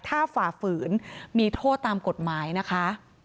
ถ้าฝ่าฝืนมีโทษตามกฎหมายนะคะ